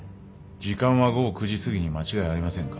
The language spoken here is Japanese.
時間は午後９時すぎに間違いありませんか？